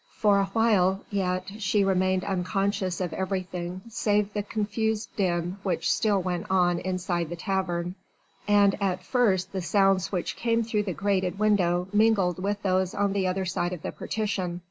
For awhile yet she remained unconscious of everything save the confused din which still went on inside the tavern, and at first the sounds which came through the grated window mingled with those on the other side of the partition.